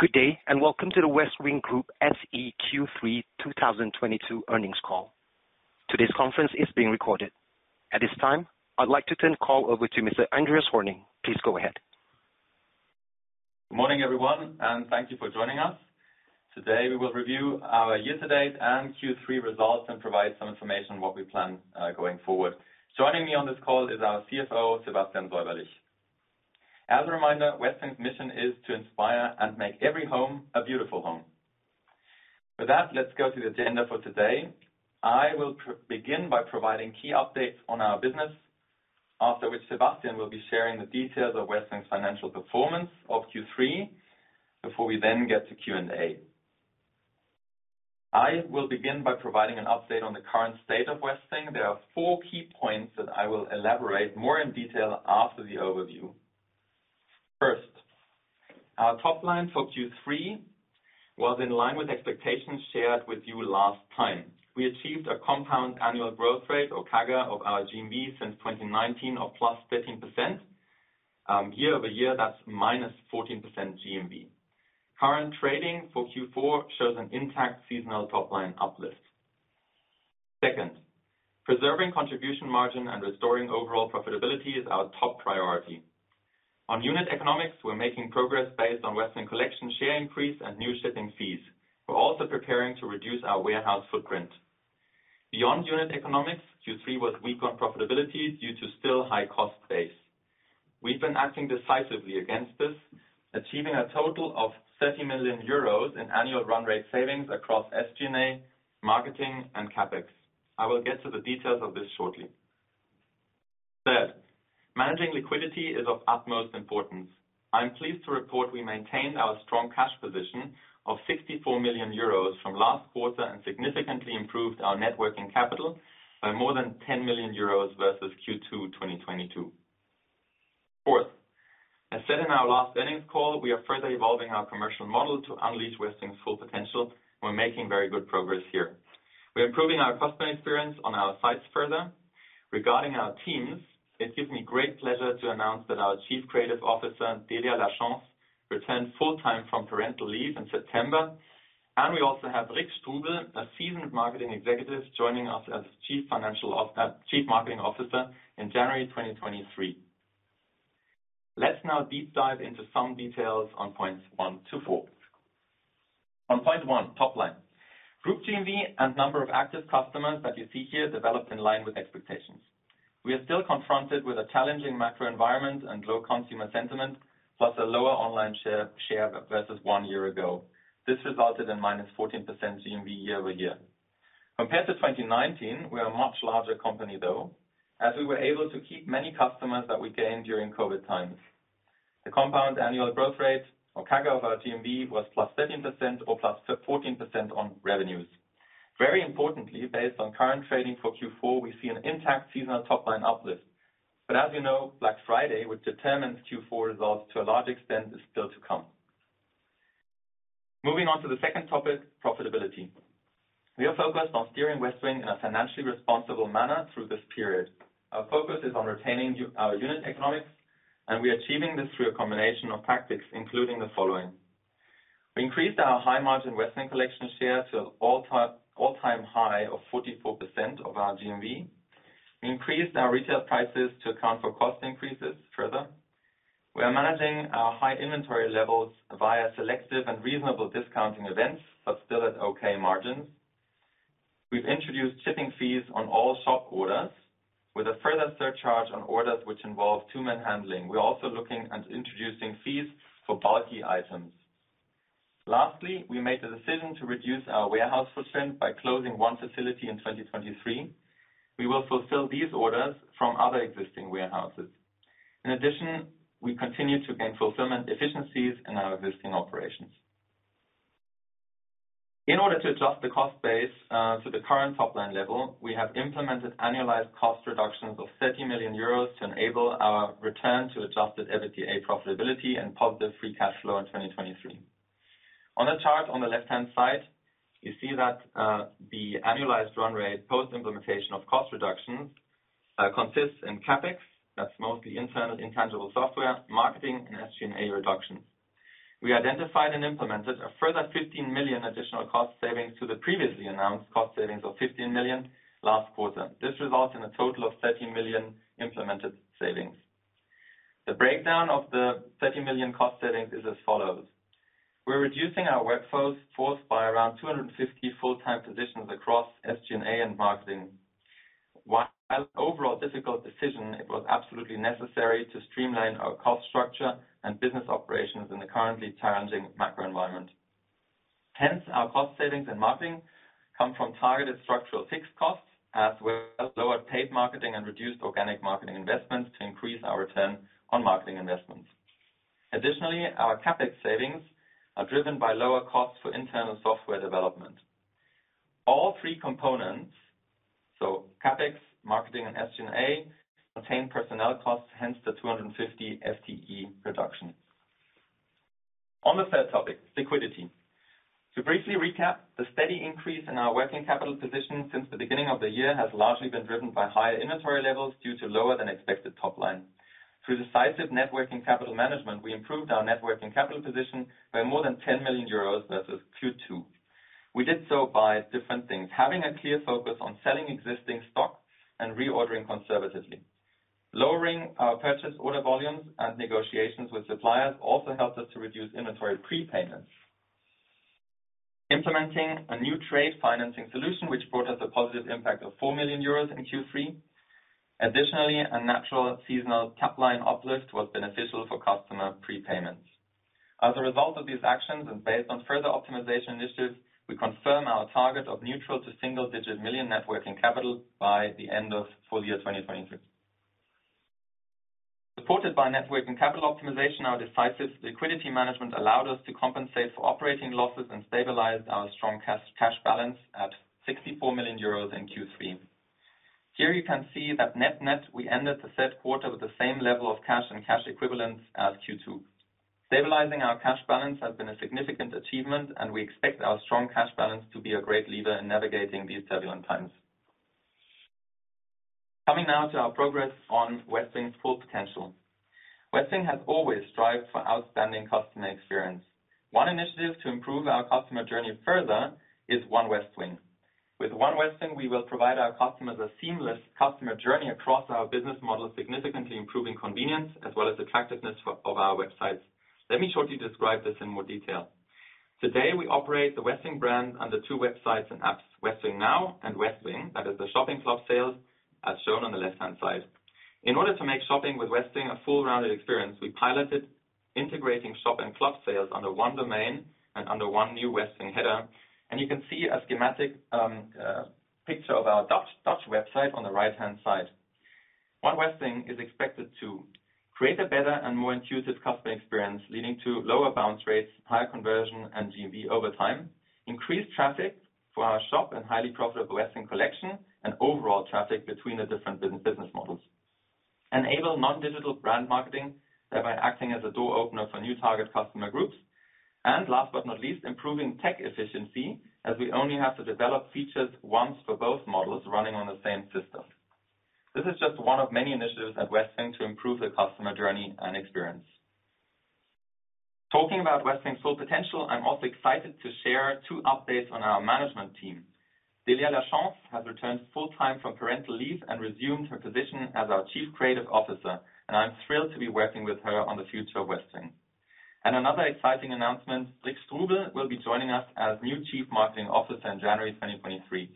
Good day, and welcome to the Westwing Group SE Q3 2022 earnings call. Today's conference is being recorded. At this time, I'd like to turn the call over to Mr. Andreas Hoerning. Please go ahead. Morning, everyone, and thank you for joining us. Today, we will review our year-to-date and Q3 results and provide some information on what we plan going forward. Joining me on this call is our CFO, Sebastian Säuberlich. As a reminder, Westwing's mission is to inspire and make every home a beautiful home. With that, let's go to the agenda for today. I will begin by providing key updates on our business. After which Sebastian will be sharing the details of Westwing's financial performance of Q3, before we then get to Q&A. I will begin by providing an update on the current state of Westwing. There are four key points that I will elaborate more in detail after the overview. First, our top line for Q3 was in line with expectations shared with you last time. We achieved a compound annual growth rate or CAGR of our GMV since 2019 of +13%. Year-over-year, that's -14% GMV. Current trading for Q4 shows an intact seasonal top-line uplift. Second, preserving contribution margin and restoring overall profitability is our top priority. On unit economics, we're making progress based on Westwing Collection share increase and new shipping fees. We're also preparing to reduce our warehouse footprint. Beyond unit economics, Q3 was weak on profitability due to still high cost base. We've been acting decisively against this, achieving a total of 30 million euros in annual run rate savings across SG&A, marketing, and CapEx. I will get to the details of this shortly. Third, managing liquidity is of utmost importance. I am pleased to report we maintained our strong cash position of 64 million euros from last quarter and significantly improved our net working capital by more than 10 million euros versus Q2 2022. Fourth, as said in our last earnings call, we are further evolving our commercial model to unleash Westwing's full potential. We're making very good progress here. We're improving our customer experience on our sites further. Regarding our teams, it gives me great pleasure to announce that our Chief Creative Officer, Delia Lachance, returned full-time from parental leave in September, and we also have Rik Strubel, a seasoned marketing executive, joining us as Chief Marketing Officer in January 2023. Let's now deep dive into some details on points one to four. On point one, top line. Group GMV and number of active customers that you see here developed in line with expectations. We are still confronted with a challenging macro environment and low consumer sentiment, plus a lower online share versus one year ago. This resulted in -14% GMV year-over-year. Compared to 2019, we are a much larger company, though, as we were able to keep many customers that we gained during COVID times. The compound annual growth rate or CAGR of our GMV was +13% or +14% on revenues. Very importantly, based on current trading for Q4, we see an intact seasonal top-line uplift. As you know, Black Friday, which determines Q4 results to a large extent, is still to come. Moving on to the second topic, profitability. We are focused on steering Westwing in a financially responsible manner through this period. Our focus is on retaining our unit economics, and we are achieving this through a combination of tactics, including the following. We increased our high-margin Westwing Collection share to all-time high of 44% of our GMV. We increased our retail prices to account for cost increases further. We are managing our high inventory levels via selective and reasonable discounting events, but still at okay margins. We've introduced shipping fees on all shop orders with a further surcharge on orders which involve two-man handling. We're also looking at introducing fees for bulky items. Lastly, we made the decision to reduce our warehouse footprint by closing one facility in 2023. We will fulfill these orders from other existing warehouses. In addition, we continue to gain fulfillment efficiencies in our existing operations. In order to adjust the cost base, to the current top-line level, we have implemented annualized cost reductions of 30 million euros to enable our return to adjusted EBITDA profitability and positive free cash flow in 2023. On the chart on the left-hand side, you see that, the annualized run rate post-implementation of cost reductions, consists of CapEx. That's mostly internal intangible software, marketing, and SG&A reductions. We identified and implemented a further 15 million additional cost savings to the previously announced cost savings of 15 million last quarter. This results in a total of 30 million implemented savings. The breakdown of the 30 million cost savings is as follows. We're reducing our workforce by around 250 full-time positions across SG&A and marketing. While overall difficult decision, it was absolutely necessary to streamline our cost structure and business operations in the currently challenging macro environment. Hence, our cost savings and marketing come from targeted structural fixed costs, as well as lower paid marketing and reduced organic marketing investments to increase our return on marketing investments. Additionally, our CapEx savings are driven by lower costs for internal software development. All three components, so CapEx, marketing, and SG&A, contain personnel costs, hence the 250 FTE reduction. On the third topic, liquidity. To briefly recap, the steady increase in our working capital position since the beginning of the year has largely been driven by higher inventory levels due to lower than expected top line. Through decisive net working capital management, we improved our net working capital position by more than 10 million euros versus Q2. We did so by different things. Having a clear focus on selling existing stock and reordering conservatively. Lowering our purchase order volumes and negotiations with suppliers also helped us to reduce inventory prepayments. Implementing a new trade financing solution, which brought us a positive impact of 4 million euros in Q3. Additionally, a natural seasonal top line uplift was beneficial for customer prepayments. As a result of these actions, and based on further optimization initiatives, we confirm our target of neutral to single-digit million net working capital by the end of full year 2023. Supported by net working capital optimization, our decisive liquidity management allowed us to compensate for operating losses and stabilize our strong cash balance at 64 million euros in Q3. Here you can see that net-net, we ended the third quarter with the same level of cash and cash equivalents as Q2. Stabilizing our cash balance has been a significant achievement, and we expect our strong cash balance to be a great lever in navigating these turbulent times. Coming now to our progress on Westwing's full potential. Westwing has always strived for outstanding customer experience. One initiative to improve our customer journey further is One Westwing. With One Westwing, we will provide our customers a seamless customer journey across our business model, significantly improving convenience as well as attractiveness of our websites. Let me shortly describe this in more detail. Today, we operate the Westwing brand under two websites and apps, Westwing Now and Westwing. That is the shopping club sales, as shown on the left-hand side. In order to make shopping with Westwing a full-rounded experience, we piloted integrating shop and club sales under one domain and under one new Westwing header. You can see a schematic picture of our Dutch website on the right-hand side. One Westwing is expected to create a better and more intuitive customer experience, leading to lower bounce rates, higher conversion and GMV over time. Increase traffic for our shop and highly profitable Westwing Collection and overall traffic between the different business models. Enable non-digital brand marketing thereby acting as a door opener for new target customer groups. Last but not least, improving tech efficiency as we only have to develop features once for both models running on the same system. This is just one of many initiatives at Westwing to improve the customer journey and experience. Talking about Westwing's full potential, I'm also excited to share two updates on our management team. Delia Lachance has returned full-time from parental leave and resumed her position as our Chief Creative Officer, and I'm thrilled to be working with her on the future of Westwing. Another exciting announcement, Rik Strubel will be joining us as new Chief Marketing Officer in January 2023.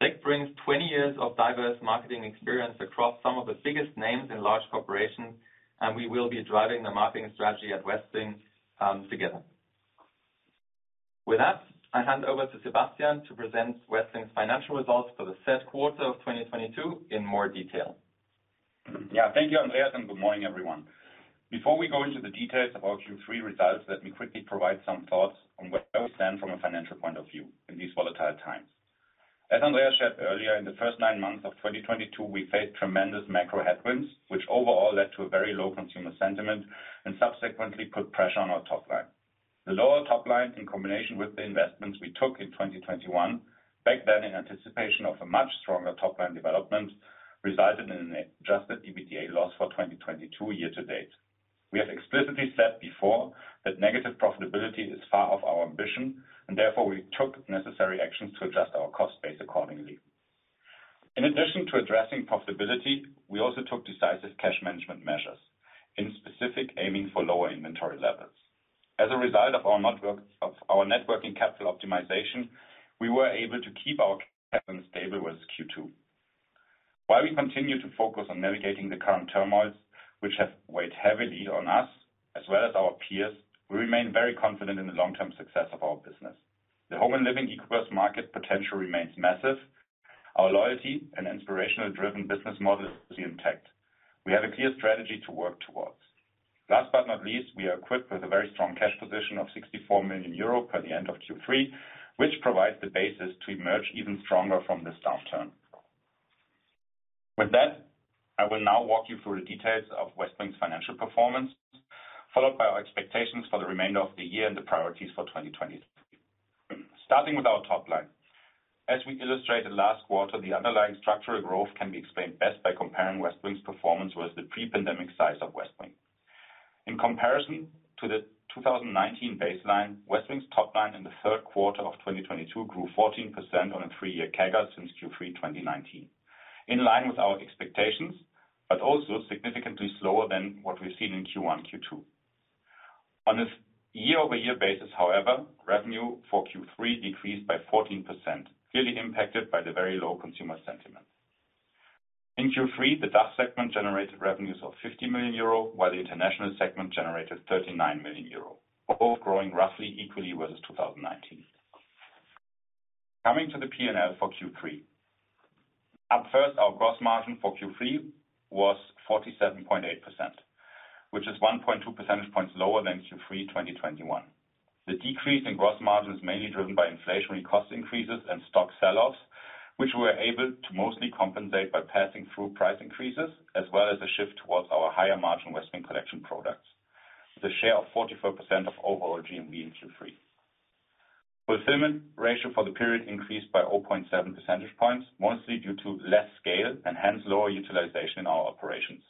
Rik Strubel brings 20 years of diverse marketing experience across some of the biggest names in large corporations, and we will be driving the marketing strategy at Westwing, together. With that, I hand over to Sebastian Säuberlich to present Westwing's financial results for the third quarter of 2022 in more detail. Yeah. Thank you, Andreas, and good morning, everyone. Before we go into the details of our Q3 results, let me quickly provide some thoughts on where we stand from a financial point of view in these volatile times. As Andreas shared earlier, in the first nine months of 2022, we faced tremendous macro headwinds, which overall led to a very low consumer sentiment and subsequently put pressure on our top line. The lower top line, in combination with the investments we took in 2021, back then in anticipation of a much stronger top line development, resulted in an adjusted EBITDA loss for 2022 year to date. We have explicitly said before that negative profitability is far off our ambition and therefore we took necessary actions to adjust our cost base accordingly. In addition to addressing profitability, we also took decisive cash management measures, specifically aiming for lower inventory levels. As a result of our net working capital optimization, we were able to keep our capital stable versus Q2. While we continue to focus on navigating the current turmoils which have weighed heavily on us as well as our peers, we remain very confident in the long-term success of our business. The home and living e-commerce market potential remains massive. Our loyalty and inspirational driven business model is intact. We have a clear strategy to work towards. Last but not least, we are equipped with a very strong cash position of EUR 64 million as of the end of Q3, which provides the basis to emerge even stronger from this downturn. With that, I will now walk you through the details of Westwing's financial performance, followed by our expectations for the remainder of the year and the priorities for 2023. Starting with our top line. As we illustrated last quarter, the underlying structural growth can be explained best by comparing Westwing's performance with the pre-pandemic size of Westwing. In comparison to the 2019 baseline, Westwing's top line in the third quarter of 2022 grew 14% on a 3-year CAGR since Q3 2019. In line with our expectations, but also significantly slower than what we've seen in Q1, Q2. On a year-over-year basis, however, revenue for Q3 decreased by 14%, clearly impacted by the very low consumer sentiment. In Q3, the DACH segment generated revenues of 50 million euro, while the international segment generated 39 million euro, both growing roughly equally versus 2019. Coming to the P&L for Q3. Up first, our gross margin for Q3 was 47.8%, which is 1.2 percentage points lower than Q3 2021. The decrease in gross margin is mainly driven by inflationary cost increases and stock sell-offs, which we are able to mostly compensate by passing through price increases as well as a shift towards our higher margin Westwing Collection products. The share of 44% of overall GMV in Q3. Fulfillment ratio for the period increased by 0.7 percentage points, mostly due to less scale and hence lower utilization in our operations.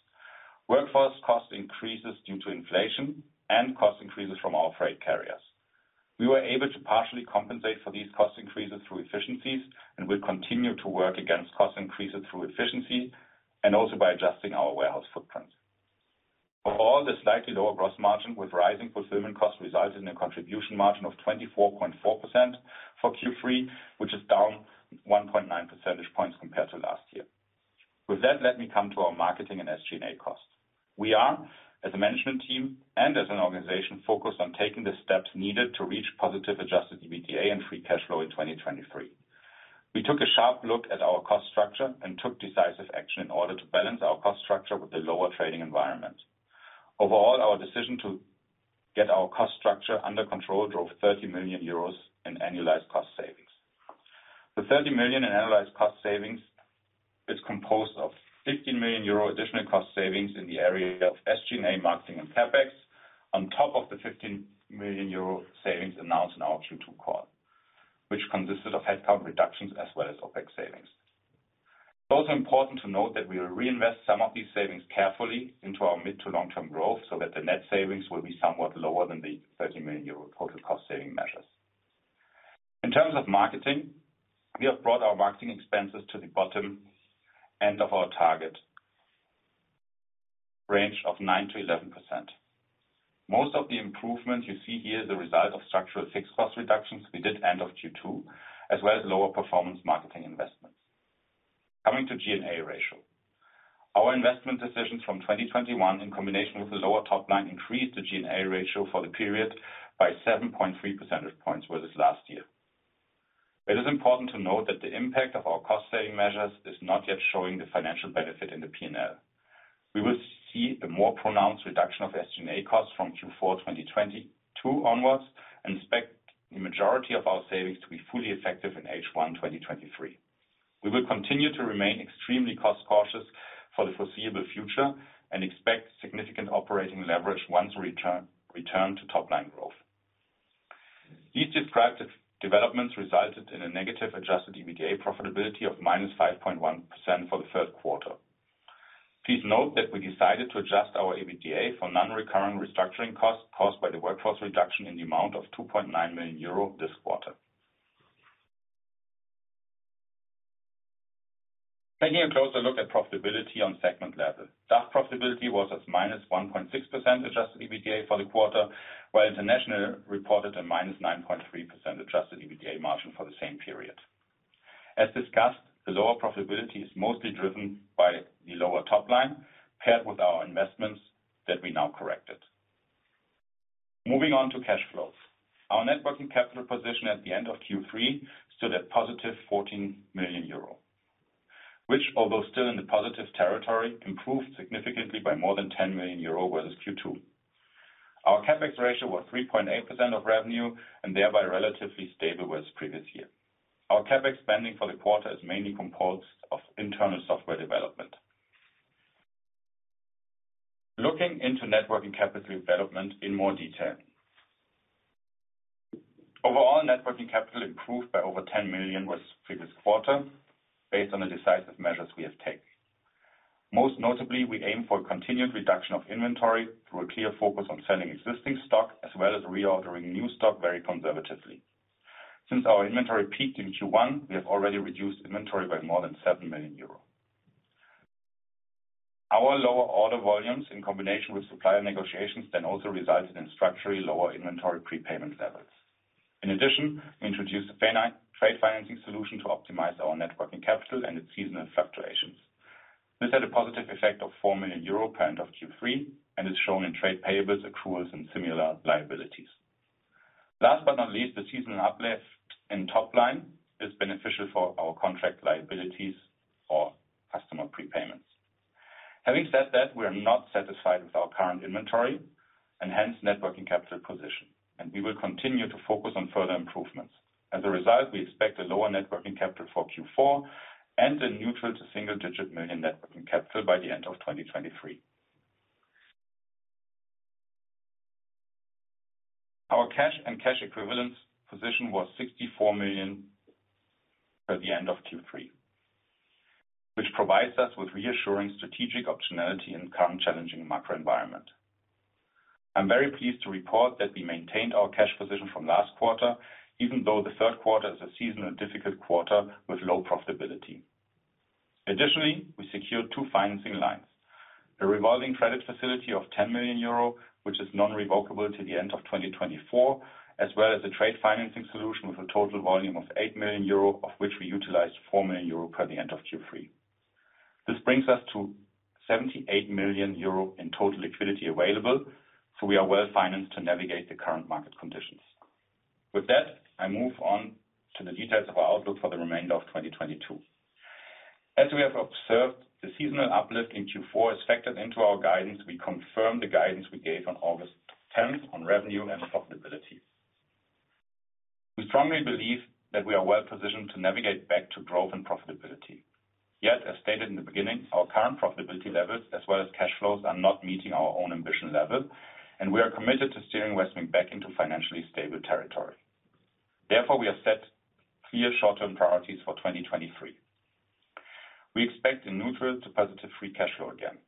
Workforce cost increases due to inflation and cost increases from our freight carriers. We were able to partially compensate for these cost increases through efficiencies, and we'll continue to work against cost increases through efficiency and also by adjusting our warehouse footprint. Overall, the slightly lower gross margin with rising fulfillment costs resulted in a contribution margin of 24.4% for Q3, which is down 1.9 percentage points compared to last year. With that, let me come to our marketing and SG&A costs. We are, as a management team and as an organization, focused on taking the steps needed to reach positive adjusted EBITDA and free cash flow in 2023. We took a sharp look at our cost structure and took decisive action in order to balance our cost structure with the lower trading environment. Overall, our decision to get our cost structure under control drove 30 million euros in annualized cost savings. The 30 million in annualized cost savings is composed of 15 million euro additional cost savings in the area of SG&A marketing and CapEx on top of the 15 million euro savings announced in our Q2 call, which consisted of headcount reductions as well as OpEx savings. It's also important to note that we will reinvest some of these savings carefully into our mid to long-term growth so that the net savings will be somewhat lower than the 30 million euro total cost saving measures. In terms of marketing, we have brought our marketing expenses to the bottom end of our target range of 9%-11%. Most of the improvements you see here is a result of structural fixed cost reductions we did end of Q2, as well as lower performance marketing investments. Coming to G&A ratio. Our investment decisions from 2021, in combination with the lower top line, increased the G&A ratio for the period by 7.3 percentage points versus last year. It is important to note that the impact of our cost-saving measures is not yet showing the financial benefit in the P&L. We will see a more pronounced reduction of SG&A costs from Q4 2022 onwards and expect the majority of our savings to be fully effective in H1 2023. We will continue to remain extremely cost cautious for the foreseeable future and expect significant operating leverage once return to top-line growth. These described developments resulted in a negative adjusted EBITDA profitability of -5.1% for the third quarter. Please note that we decided to adjust our EBITDA for non-recurring restructuring costs caused by the workforce reduction in the amount of 2.9 million euro this quarter. Taking a closer look at profitability on segment level. DACH profitability was at -1.6% adjusted EBITDA for the quarter, while international reported a -9.3% adjusted EBITDA margin for the same period. As discussed, the lower profitability is mostly driven by the lower top line paired with our investments that we now corrected. Moving on to cash flows. Our net working capital position at the end of Q3 stood at positive 14 million euro, which although still in the positive territory, improved significantly by more than 10 million euro versus Q2. Our CapEx ratio was 3.8% of revenue and thereby relatively stable with previous year. Our CapEx spending for the quarter is mainly composed of internal software development. Looking into net working capital development in more detail. Overall, net working capital improved by over 10 million with previous quarter based on the decisive measures we have taken. Most notably, we aim for continued reduction of inventory through a clear focus on selling existing stock as well as reordering new stock very conservatively. Since our inventory peaked in Q1, we have already reduced inventory by more than 7 million euros. Our lower order volumes in combination with supplier negotiations then also resulted in structurally lower inventory prepayment levels. In addition, we introduced a finite trade financing solution to optimize our net working capital and its seasonal fluctuations. This had a positive effect of 4 million euro per end of Q3 and is shown in trade payables, accruals, and similar liabilities. Last but not least, the seasonal uplift in top line is beneficial for our contract liabilities for customer prepayments. Having said that, we are not satisfied with our current inventory and hence net working capital position, and we will continue to focus on further improvements. As a result, we expect a lower net working capital for Q4 and a neutral to single-digit million EUR net working capital by the end of 2023. Our cash and cash equivalents position was 64 million as of the end of Q3, which provides us with reassuring strategic optionality in the current challenging macro environment. I'm very pleased to report that we maintained our cash position from last quarter, even though the third quarter is a seasonal difficult quarter with low profitability. Additionally, we secured two financing lines, a revolving credit facility of 10 million euro, which is irrevocable to the end of 2024, as well as a trade financing solution with a total volume of 8 million euro, of which we utilized 4 million euro as of the end of Q3. This brings us to 78 million euro in total liquidity available, so we are well-financed to navigate the current market conditions. With that, I move on to the details of our outlook for the remainder of 2022. As we have observed, the seasonal uplift in Q4 is factored into our guidance. We confirm the guidance we gave on August 10 on revenue and profitability. We strongly believe that we are well positioned to navigate back to growth and profitability. Yet, as stated in the beginning, our current profitability levels as well as cash flows are not meeting our own ambition level, and we are committed to steering Westwing back into financially stable territory. Therefore, we have set clear short-term priorities for 2023. We expect a neutral to positive free cash flow again.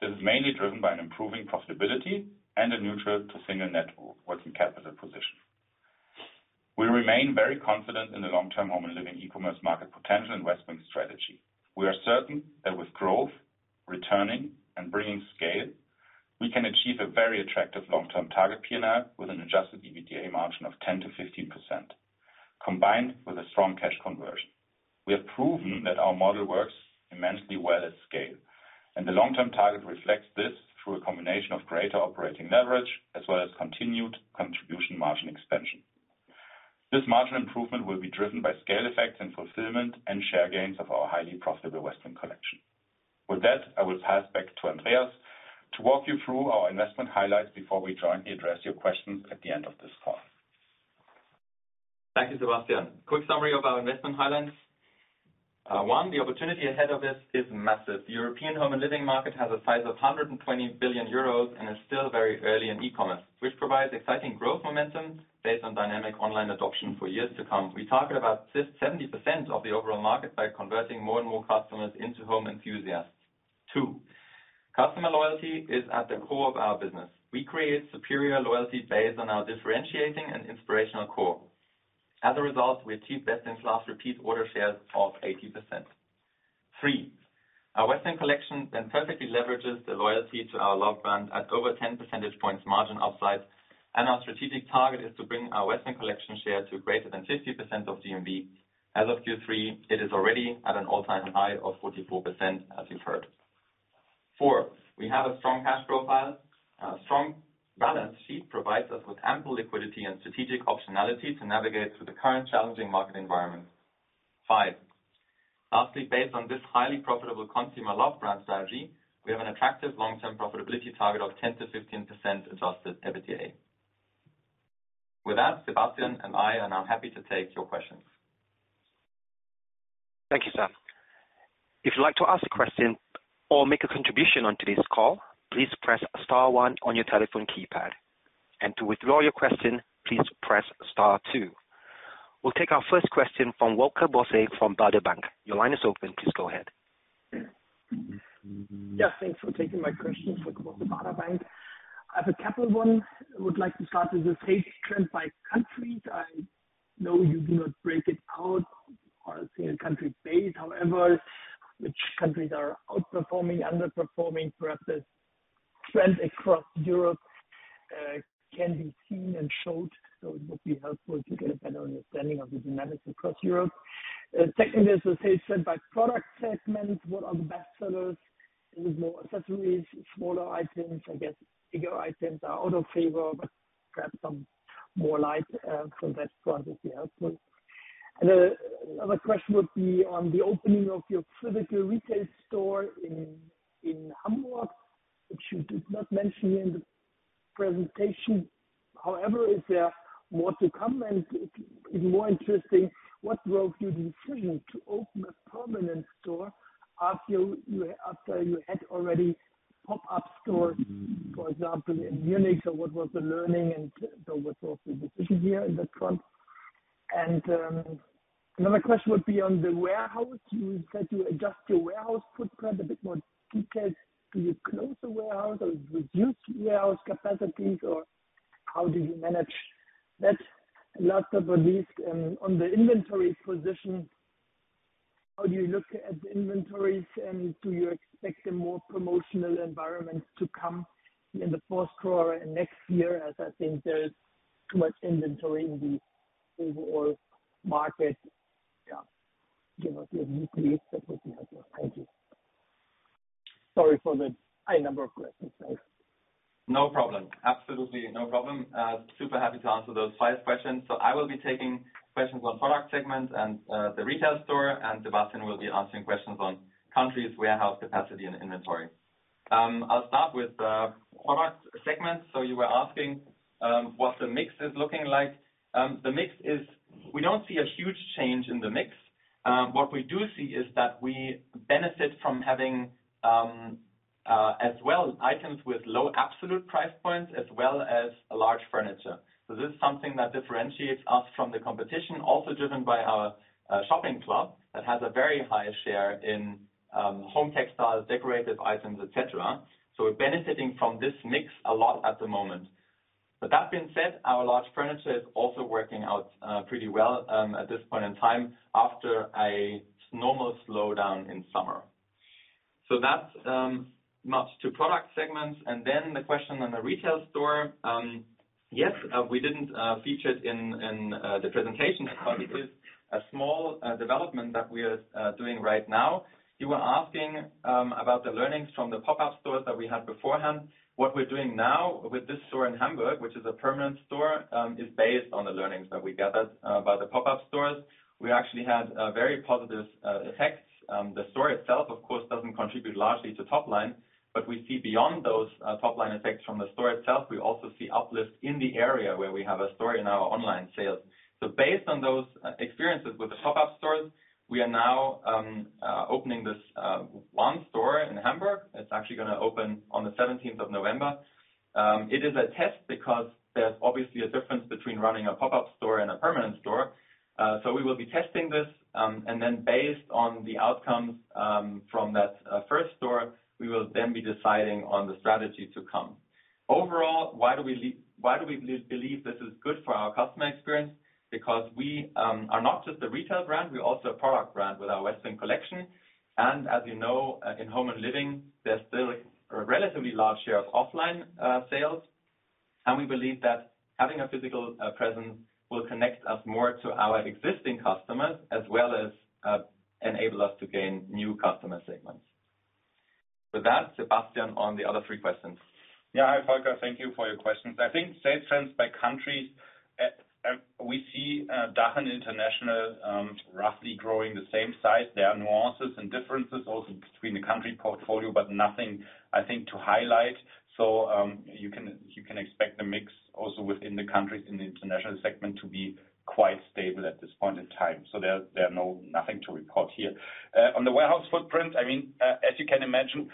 This is mainly driven by an improving profitability and a neutral to single-digit net working capital position. We remain very confident in the long-term home and living e-commerce market potential and Westwing strategy. We are certain that with growth, returning, and bringing scale, we can achieve a very attractive long-term target PNL with an adjusted EBITDA margin of 10%-15%, combined with a strong cash conversion. We have proven that our model works immensely well at scale, and the long-term target reflects this through a combination of greater operating leverage as well as continued contribution margin expansion. This margin improvement will be driven by scale effects and fulfillment and share gains of our highly profitable Westwing Collection. With that, I will pass back to Andreas to walk you through our investment highlights before we jointly address your questions at the end of this call. Thank you, Sebastian. Quick summary of our investment highlights. One, the opportunity ahead of us is massive. The European home and living market has a size of 100 billion euros and is still very early in e-commerce, which provides exciting growth momentum based on dynamic online adoption for years to come. We target about 70% of the overall market by converting more and more customers into home enthusiasts. Two, customer loyalty is at the core of our business. We create superior loyalty based on our differentiating and inspirational core. As a result, we achieve best-in-class repeat order shares of 80%. Three, our Westwing Collection then perfectly leverages the loyalty to our love brand at over 10 percentage points margin upside, and our strategic target is to bring our Westwing Collection share to greater than 50% of GMV. As of Q3, it is already at an all-time high of 44%, as you've heard. Four, we have a strong cash profile. A strong balance sheet provides us with ample liquidity and strategic optionality to navigate through the current challenging market environment. Five, lastly, based on this highly profitable consumer love brand strategy, we have an attractive long-term profitability target of 10%-15% adjusted EBITDA. With that, Sebastian and I are now happy to take your questions. Thank you, sir. If you'd like to ask a question or make a contribution on today's call, please press star one on your telephone keypad. To withdraw your question, please press star two. We'll take our first question from Volker Bosse from Baader Bank. Your line is open. Please go ahead. Yeah, thanks for taking my question. Volker Bosse, Baader Bank. I have a couple. One. I would like to start with the sales trend by country. I know you do not break it out or say on a country basis, however, which countries are outperforming, underperforming. Perhaps a trend across Europe can be seen and shown. It would be helpful to get a better understanding of the dynamics across Europe. Secondly, as I said, by product segment, what are the best sellers? Is it more accessories, smaller items? I guess bigger items are out of favor, but perhaps some more light from that front would be helpful. Another question would be on the opening of your physical retail store in Hamburg, which you did not mention in the presentation. However, is there more to come? If more interesting, what drove your decision to open a permanent store after you had already pop-up stores, for example, in Munich? What was the learning and what was the decision here in that front? Another question would be on the warehouse. You said you adjust your warehouse footprint. A bit more details. Do you close the warehouse or reduce warehouse capacities or how do you manage that? Last but not least, on the inventory position, how do you look at the inventories and do you expect a more promotional environment to come in the first quarter and next year as I think there's too much inventory in the overall market? Yeah. Give us your view, please. That would be helpful. Thank you. Sorry for the high number of questions there. No problem. Absolutely no problem. Super happy to answer those five questions. I will be taking questions on product segments and the retail store, and Sebastian will be answering questions on countries, warehouse capacity, and inventory. I'll start with product segments. You were asking what the mix is looking like. We don't see a huge change in the mix. What we do see is that we benefit from having as well items with low absolute price points as well as a large furniture. This is something that differentiates us from the competition, also driven by our shopping club that has a very high share in home textiles, decorative items, et cetera. We're benefiting from this mix a lot at the moment. That being said, our large furniture is also working out pretty well at this point in time after a normal slowdown in summer. That's much to product segments. Then the question on the retail store. Yes. We didn't feature it in the presentation, but it is a small development that we are doing right now. You were asking about the learnings from the pop-up stores that we had beforehand. What we're doing now with this store in Hamburg, which is a permanent store, is based on the learnings that we gathered by the pop-up stores. We actually had a very positive effect. The store itself, of course, doesn't contribute largely to top line, but we see beyond those top-line effects from the store itself. We also see uplifts in the area where we have a store in our online sales. Based on those experiences with the pop-up stores, we are now opening this one store in Hamburg. It's actually gonna open on the seventeenth of November. It is a test because there's obviously a difference between running a pop-up store and a permanent store. We will be testing this, and then based on the outcomes from that first store, we will then be deciding on the strategy to come. Overall, why do we believe this is good for our customer experience? Because we are not just a retail brand, we're also a product brand with our Westwing Collection. As you know, in home and living, there's still a relatively large share of offline sales. We believe that having a physical presence will connect us more to our existing customers as well as enable us to gain new customer segments. With that, Sebastian, on the other three questions. Yeah. Hi, Volker. Thank you for your questions. I think same trends by country. We see DACH and international roughly growing the same size. There are nuances and differences also between the country portfolio, but nothing, I think, to highlight. You can expect the mix also within the countries in the international segment to be quite stable at this point in time. There is nothing to report here. On the warehouse footprint, I mean, as you can imagine,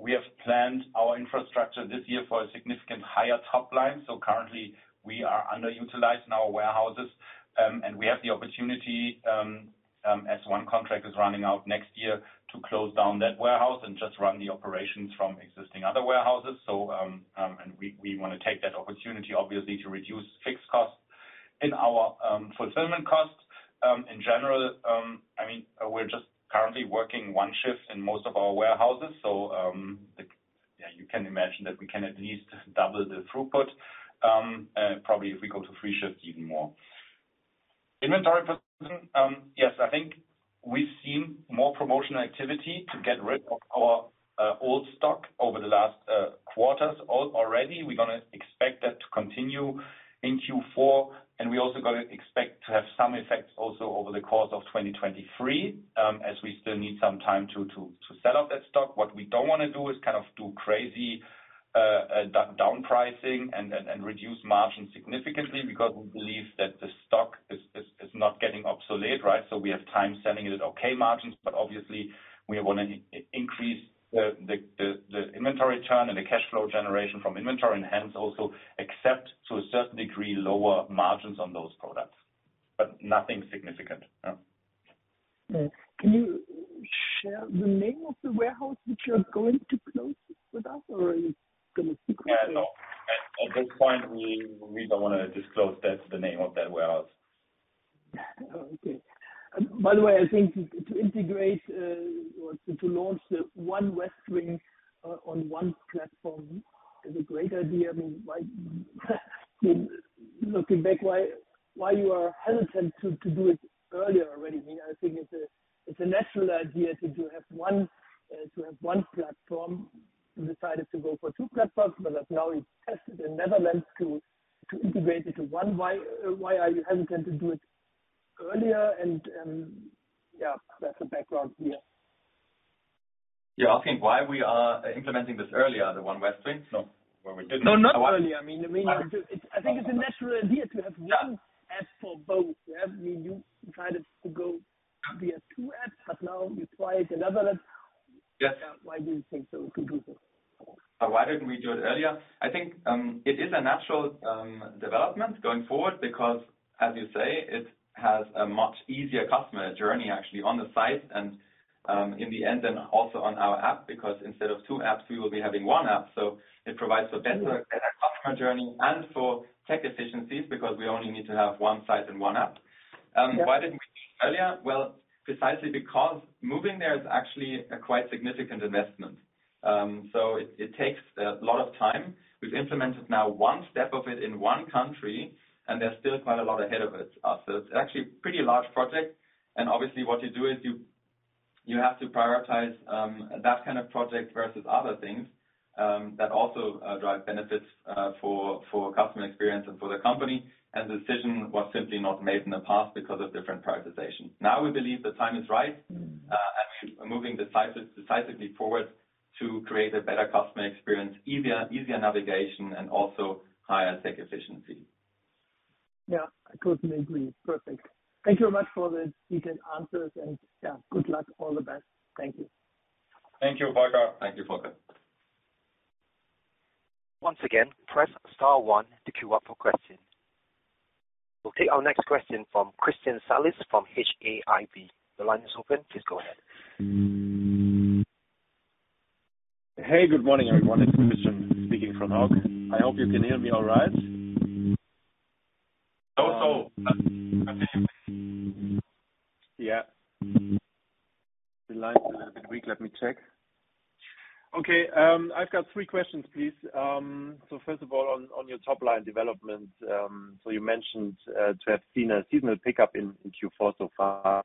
we have planned our infrastructure this year for a significantly higher top line. Currently, we are underutilized in our warehouses, and we have the opportunity, as one contract is running out next year, to close down that warehouse and just run the operations from existing other warehouses. we wanna take that opportunity obviously to reduce fixed costs. In our fulfillment costs, in general, I mean, we're just currently working one shift in most of our warehouses. like, yeah, you can imagine that we can at least double the throughput, probably if we go to three shifts even more. Inventory question. yes, I think we've seen more promotional activity to get rid of our old stock over the last quarters already. We're gonna expect that to continue in Q4, and we also gonna expect to have some effects also over the course of 2023, as we still need some time to sell off that stock. What we don't wanna do is kind of do crazy down-pricing and reduce margins significantly because we believe that the stock is not getting obsolete, right? We have time selling it at okay margins, but obviously we wanna increase the inventory turn and the cash flow generation from inventory, and hence also accept to a certain degree, lower margins on those products. But nothing significant. No. Can you share the name of the warehouse which you're going to close with us or are you gonna secretly? Yeah. No. At this point, we don't wanna disclose that, the name of that warehouse. Okay. By the way, I think to integrate or to launch the One Westwing on one platform is a great idea. I mean, why? Looking back, why you are hesitant to do it earlier already? I mean, I think it's a natural idea to have one platform. You decided to go for two platforms, but now you've tested in Netherlands to integrate into one. Why are you hesitant to do it earlier and yeah, that's the background here. You're asking why we are implementing this earlier, the One Westwing? When we didn't- No, not earlier. I mean, it's, I think it's a natural idea to have one app for both. I mean, you decided to go via two apps, but now you try it in Netherlands. Yes. Why do you think so it could be good? Why didn't we do it earlier? I think, it is a natural, development going forward because as you say, it has a much easier customer journey actually on the site and, in the end, and also on our app. Because instead of two apps we will be having one app. It provides a better customer journey and for tech efficiencies, because we only need to have one site and one app. Why didn't we do it earlier? Well, precisely because moving there is actually a quite significant investment. It takes a lot of time. We've implemented now one step of it in one country, and there's still quite a lot ahead of it. It's actually pretty large project and obviously what you do is you have to prioritize that kind of project versus other things that also drive benefits for customer experience and for the company. The decision was simply not made in the past because of different prioritizations. Now, we believe the time is right. Mm. We're moving decisively forward to create a better customer experience, easier navigation, and also higher tech efficiency. Yeah. I totally agree. Perfect. Thank you very much for the detailed answers and, yeah, good luck. All the best. Thank you. Thank you, Volker. Thank you, Volker. Once again, press star one to queue up for questions. We'll take our next question from Christian Salis from Hauck & Aufhäuser. The line is open. Please go ahead. Hey, good morning, everyone. It's Christian speaking from Hauck & Aufhäuser. I hope you can hear me all right. Yeah. The line's been a bit weak. Let me check. Okay, I've got three questions, please. First of all, on your top line development, you mentioned to have seen a seasonal pickup in Q4 so far.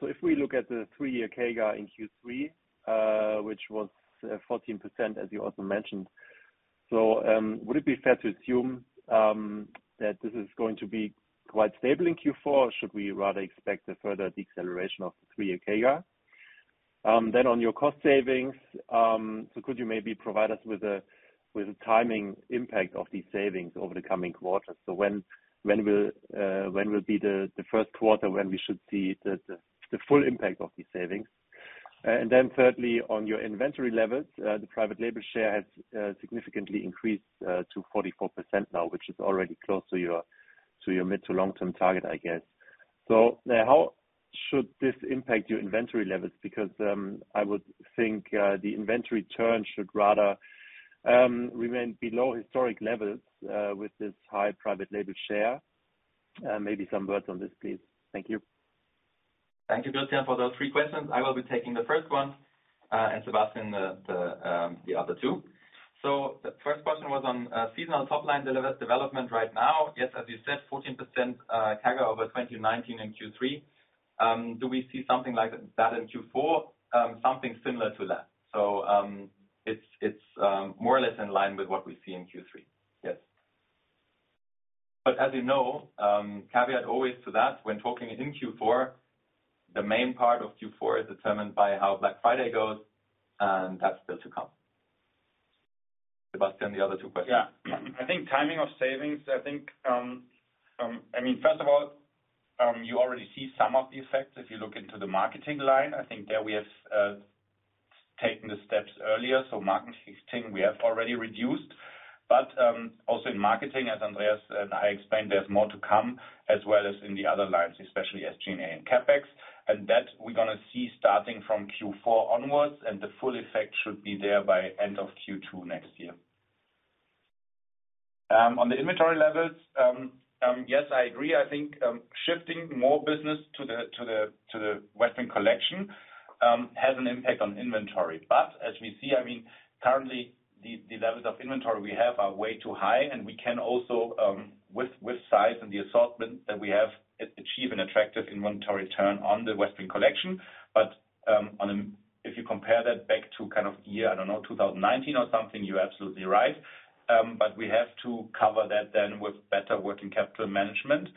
If we look at the three-year CAGR in Q3, which was 14%, as you also mentioned. Would it be fair to assume that this is going to be quite stable in Q4? Or should we rather expect a further deceleration of the three-year CAGR? Then on your cost savings, could you maybe provide us with the timing impact of these savings over the coming quarters? When will be the first quarter when we should see the full impact of these savings? And then thirdly, on your inventory levels, the private label share has significantly increased to 44% now, which is already close to your mid to long-term target, I guess. How should this impact your inventory levels? Because I would think the inventory turn should rather remain below historic levels with this high private label share. Maybe some words on this, please. Thank you. Thank you, Christian, for those three questions. I will be taking the first one, and Sebastian the other two. The first question was on seasonal top-line delivery development right now. Yes, as you said, 14% CAGR over 2019 in Q3. Do we see something like that in Q4? Something similar to that. It's more or less in line with what we see in Q3. Yes. But as you know, caveat always to that, when talking in Q4, the main part of Q4 is determined by how Black Friday goes, and that's still to come. Sebastian, the other two questions. Yeah. I think timing of savings, I think, I mean, first of all, you already see some of the effects if you look into the marketing line. I think there we have taken the steps earlier, so marketing we have already reduced. Also in marketing, as Andreas and I explained, there's more to come, as well as in the other lines, especially SG&A and CapEx. That we're gonna see starting from Q4 onwards, and the full effect should be there by end of Q2 next year. On the inventory levels, yes, I agree. I think shifting more business to the Westwing Collection has an impact on inventory. As we see, I mean, currently the levels of inventory we have are way too high, and we can also, with size and the assortment that we have, achieve an attractive inventory turn on the Westwing Collection. If you compare that back to kind of year, I don't know, 2019 or something, you're absolutely right. We have to cover that then with better working capital management.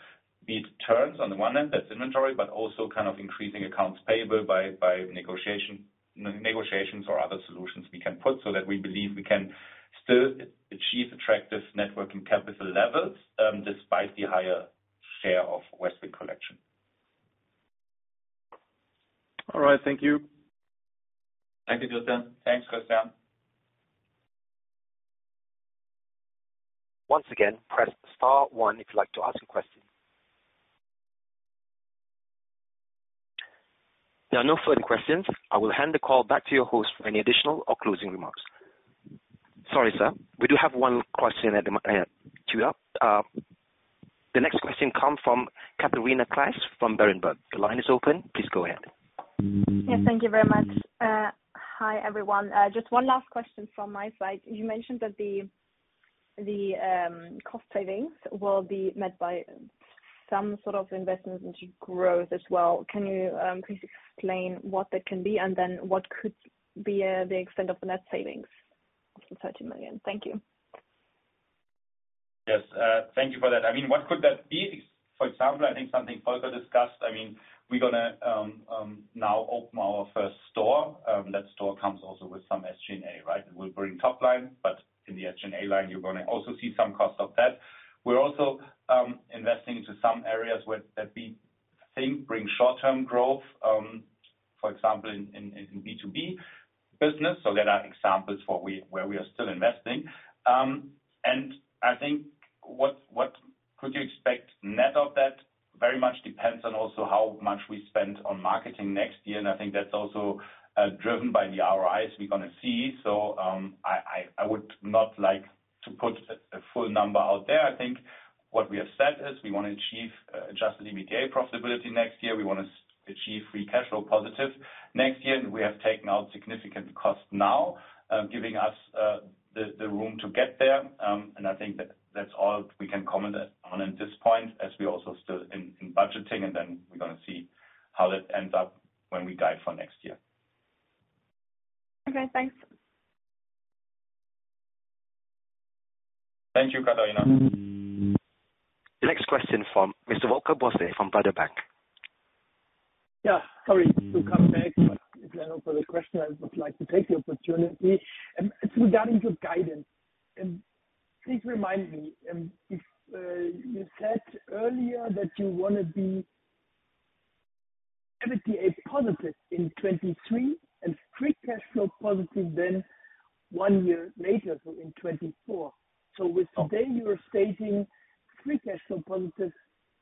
Be it turns on the one end, that's inventory, but also kind of increasing accounts payable by negotiation, negotiations or other solutions we can put so that we believe we can still achieve attractive net working capital levels, despite the higher share of Westwing Collection. All right. Thank you. Thank you, Christian. Thanks, Christian. Once again, press star one if you'd like to ask a question. There are no further questions. I will hand the call back to your host for any additional or closing remarks. Sorry, sir. We do have one question queued up. The next question comes from Katharina Claes from Berenberg. The line is open. Please go ahead. Yes, thank you very much. Hi, everyone. Just one last question from my side. You mentioned that the cost savings will be met by some sort of investments into growth as well. Can you please explain what that can be and then what could be the extent of the net savings of the 30 million? Thank you. Yes. Thank you for that. I mean, what could that be? For example, I think something Volker discussed. I mean, we're gonna now open our first store. That store comes also with some SG&A, right? It will bring top line, but in the SG&A line, you're gonna also see some cost of that. We're also investing into some areas that we think bring short-term growth, for example, in B2B business. There are examples where we are still investing. I think what could you expect net of that very much depends on also how much we spend on marketing next year. I think that's also driven by the ROIs we're gonna see. I would not like to put a full number out there. I think what we have said is we wanna achieve adjusted EBITDA profitability next year. We wanna achieve free cash flow positive next year. We have taken out significant costs now, giving us the room to get there. I think that's all we can comment on at this point as we're also still in budgeting, and then we're gonna see how that ends up when we guide for next year. Okay, thanks. Thank you, Catharina. The next question from Mr. Volker Bosse from Baader Bank. Yeah, sorry to come back, but if I open the question, I would like to take the opportunity. Regarding your guidance, please remind me, if you said earlier that you wanna be EBITDA positive in 2023 and free cash flow positive then one year later, so in 2024. With today you are stating free cash flow positive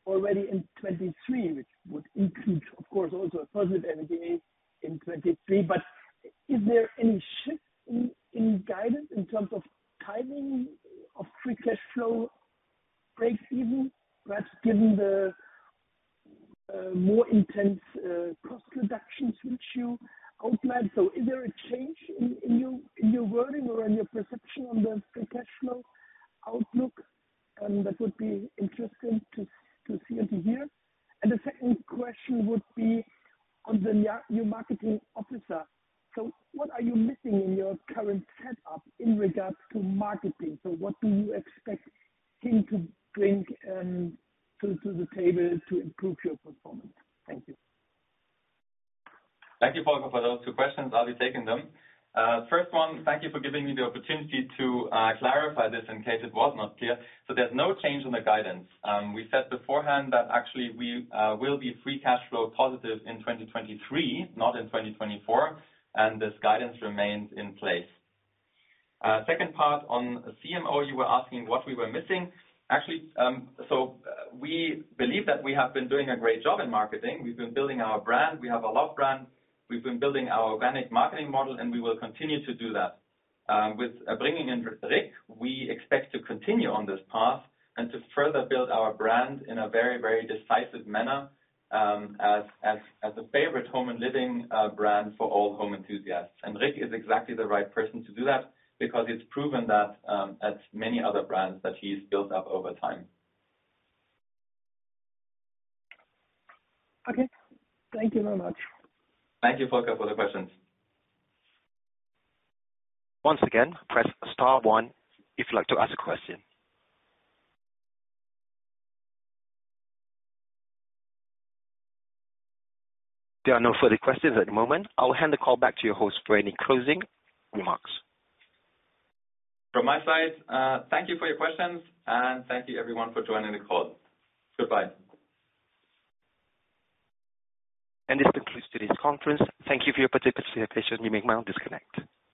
already in 2023, which would include, of course, also a positive EBITDA in 2023. But Is there any shift in guidance in terms of timing of free cash flow break-even, perhaps given the more intense cost reductions which you outlined? Is there a change in your wording or in your perception on the free cash flow outlook, that would be interesting to see and to hear? The second question would be on the new marketing officer. What are you missing in your current setup in regards to marketing? What do you expect him to bring to the table to improve your performance? Thank you. Thank you, Volker, for those two questions. I'll be taking them. First one, thank you for giving me the opportunity to clarify this in case it was not clear. There's no change in the guidance. We said beforehand that actually we will be free cash flow positive in 2023, not in 2024, and this guidance remains in place. Second part on CMO, you were asking what we were missing. Actually, we believe that we have been doing a great job in marketing. We've been building our brand. We have a love brand. We've been building our organic marketing model, and we will continue to do that. With bringing in Rik, we expect to continue on this path and to further build our brand in a very, very decisive manner, as a favorite home and living brand for all home enthusiasts. Rik is exactly the right person to do that because he's proven that at many other brands that he's built up over time. Okay. Thank you very much. Thank you, Volker, for the questions. Once again, press star one if you'd like to ask a question. There are no further questions at the moment. I will hand the call back to your host for any closing remarks. From my side, thank you for your questions, and thank you everyone for joining the call. Goodbye. This concludes today's conference. Thank you for your participation. You may now disconnect.